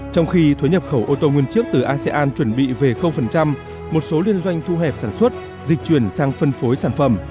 trong khi thuế nhập khẩu ô tô nguyên chiếc từ asean chuẩn bị về một số liên doanh thu hẹp sản xuất dịch chuyển sang phân phối sản phẩm